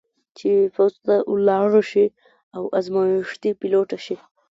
چې پوځ ته ولاړه شي او ازمېښتي پیلوټه شي.